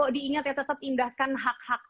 diingat ya tetap indahkan hak hak